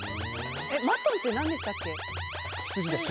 マトンって何でしたっけ？